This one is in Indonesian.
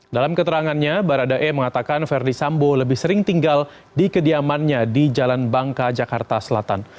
dalam keterangannya baradae mengatakan verdi sambo lebih sering tinggal di kediamannya di jalan bangka jakarta selatan